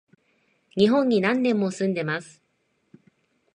日本に何年も住んでます